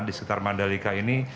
di sekitar mandalika ini